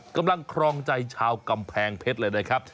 ครองใจชาวกำแพงเพชรเลยนะครับ